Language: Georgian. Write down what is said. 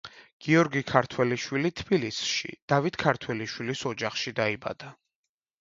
გიორგი ქართველიშვილი თბილისში, დავით ქართველიშვილის ოჯახში, დაიბადა.